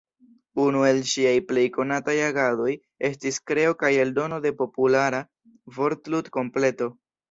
Unu el ŝiaj plej konataj agadoj estis kreo kaj eldono de populara vortlud-kompleto.